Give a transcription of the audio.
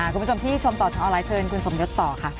คุณผู้ชมที่ชมต่อทางออนไลน์เชิญคุณสมยศต่อค่ะ